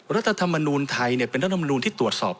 รัฐธรรมนูญไทยเนี่ยเป็นรัฐธรรมนูญที่ตรวจสอบ